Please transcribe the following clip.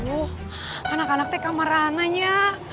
oh anak anak teka marananya